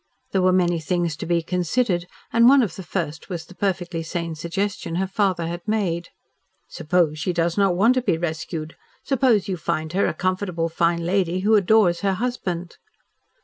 There were many things to be considered, and one of the first was the perfectly sane suggestion her father had made. "Suppose she does not want to be rescued? Suppose you find her a comfortable fine lady who adores her husband."